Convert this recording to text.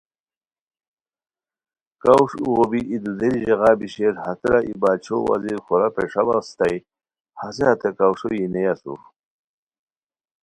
کاوݰ اوغو بی ای دودیری ژاغہ بی شیر ،ہتیرا ای باچھو وزیر خورا پیݰاؤ اسیتائے ہسے ہتے کاوݰو یی نیئے اسور